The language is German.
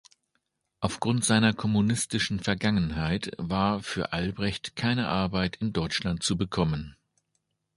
Aufgrund seiner kommunistischen Vergangenheit war für Albrecht keine Arbeit in Deutschland zu bekommen.